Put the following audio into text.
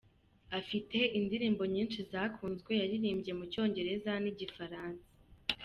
Afite indirimbo nyinshi zakunzwe yaririmbye mu Cyongereza n’Igifaransa.